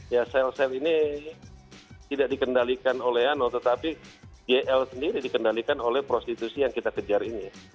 ya sel sel ini tidak dikendalikan oleh ano tetapi gl sendiri dikendalikan oleh prostitusi yang kita kejar ini